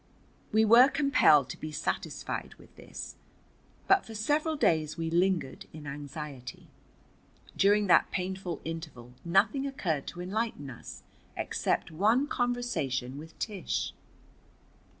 We were compelled to be satisfied with this, but for several days we lingered in anxiety. During that painful interval nothing occurred to enlighten us, except one conversation with Tish.